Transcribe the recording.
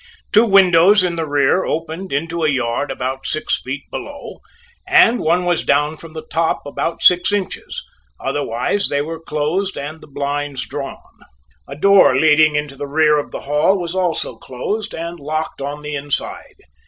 Two windows in the rear opened into a yard about six feet below, and one was down from the top, about six inches; otherwise they were closed and the blinds drawn. A door leading into the rear of the hall was also closed, and locked on the inside.